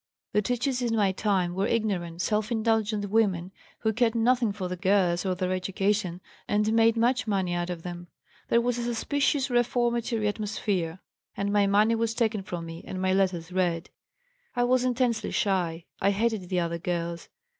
The teachers in my time were ignorant, self indulgent women who cared nothing for the girls or their education and made much money out of them. There was a suspicious reformatory atmosphere, and my money was taken from me and my letters read. "I was intensely shy. I hated the other girls.